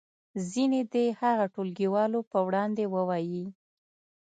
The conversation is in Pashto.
ځینې دې هغه ټولګیوالو په وړاندې ووایي.